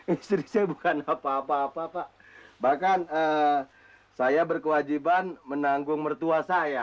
istri saya bukan apa apa apa pak bahkan saya berkewajiban menanggung mertua saya